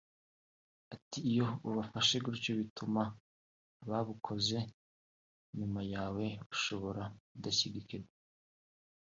Ati “Iyo ubafashe gutyo bituma ababukoze nyuma yawe bashobora kudashyigikirwa